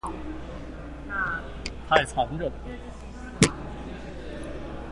太殘忍了